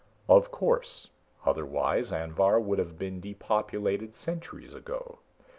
"Of course. Otherwise Anvhar would have been depopulated centuries ago.